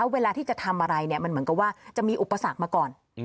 เวลาที่จะทำอะไรมันเหมือนกับว่าจะมีอุปสรรคมาก่อน